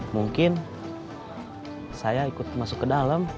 mungkin saya ikut masuk ke dalam